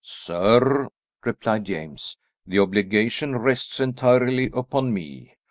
"Sir," replied James, "the obligation rests entirely upon me.